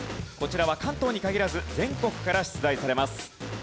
こちらは関東に限らず全国から出題されます。